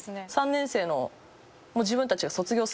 ３年生の自分たちが。